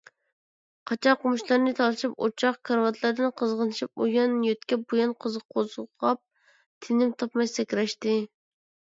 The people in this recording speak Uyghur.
قاچا - قومۇچلارنى تالىشىپ، ئوچاق، كارىۋاتلاردىن قىزغىنىشىپ، ئۇيان يۆتكەپ - بۇيان قوزغاپ، تىنىم تاپماي سەكرەشتى.